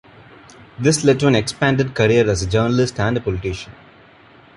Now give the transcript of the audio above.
This led to an expanded career as a journalist and politician.